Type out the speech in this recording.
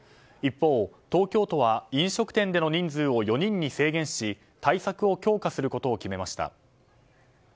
一方、東京都は飲食店での人数を４人に制限し対策を強化することを決めました。